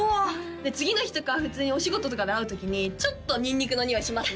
で次の日とか普通にお仕事とかで会う時にちょっとニンニクのにおいします